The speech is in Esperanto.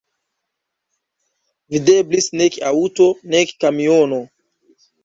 Videblis nek aŭto, nek kamiono.